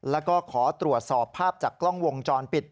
แล้วก็ขอตรวจสอบภาพจากกล้องวงจรปิด